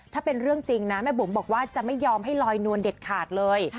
ถ้าเป็นเรื่องจริงนะแม่บุ๋มบอกว่าจะไม่ยอมให้ลอยนวลเด็ดขาดเลย